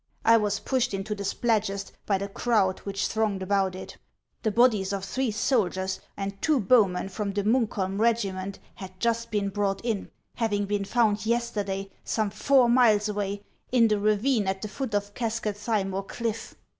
I was pushed into the Spladgest by the crowd which thronged about it. The bodies of three soldiers and two bowmen from the Munkholm regiment had just been brought in, having been found yesterday some four miles away, in the ravine at the foot of Cascadthymore cliff.